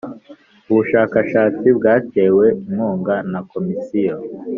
Ubushakashatsi bwatewe inkunga na komisiyo